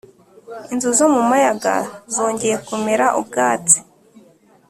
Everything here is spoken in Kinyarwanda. inzuri zo mu mayaga zongeye kumera ubwatsi,